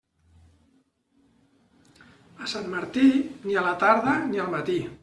A Sant Martí, ni a la tarda ni al matí.